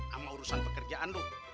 sama urusan pekerjaan lo